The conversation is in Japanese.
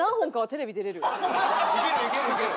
いけるいけるいける！